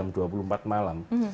nanti itu jam dua puluh empat malam